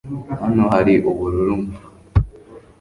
Hano hari ubururu mpfa